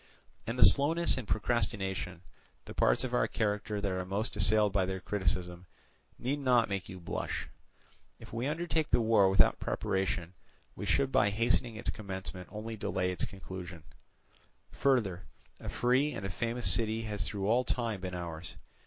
"And the slowness and procrastination, the parts of our character that are most assailed by their criticism, need not make you blush. If we undertake the war without preparation, we should by hastening its commencement only delay its conclusion: further, a free and a famous city has through all time been ours.